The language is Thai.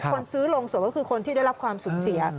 คนซื้อโรงศพก็คือคนที่ได้รับความสูญเสีย